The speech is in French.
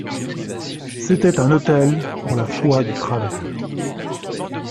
C'était un autel pour la foi du travailleur.